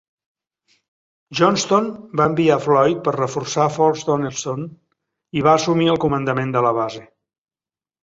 Johnston va enviar Floyd per reforçar Fort Donelson i va assumir el comandament de la base.